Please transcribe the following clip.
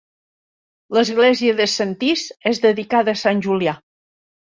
L'església de Sentís és dedicada a sant Julià.